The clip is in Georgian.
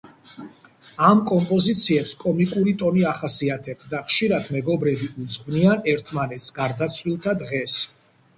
ამ კომპოზიციებს კომიკური ტონი ახასიათებთ და ხშირად მეგობრები უძღვნიან ერთმანეთს გარდაცვლილთა დღეს.